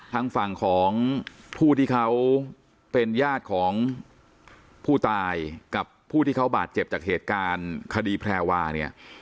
ทางฝั่งของผู้ที่เขาเป็นญาติของผู้ตายกับผู้ที่เขาบาดเจ็บจากเหตุการณ์คดีแพรวาเนี่ย